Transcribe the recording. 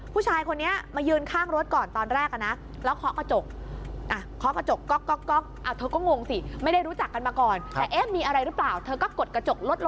ผู้ชายคนนี้มายืนข้างรถก่อนตอนแรกนะแล้วเคาะกระจก